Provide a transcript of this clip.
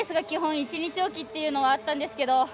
１日おきというのはあったんですけど